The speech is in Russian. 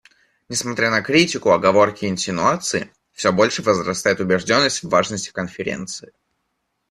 Несмотря на критику, оговорки и инсинуации, все больше возрастает убежденность в важности Конференции.